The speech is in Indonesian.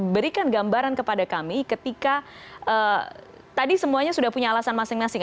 berikan gambaran kepada kami ketika tadi semuanya sudah punya alasan masing masing